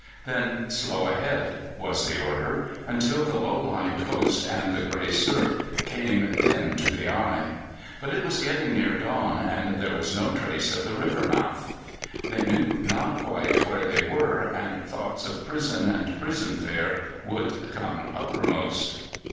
Then "Slow ahead" was the order, until the low lying coast and the grey surf came dim to the eye. But it was getting near dawn, and there was no trace of the river mouth. They knew not quite where they were, and thoughts of prison and prison fare would come uppermost.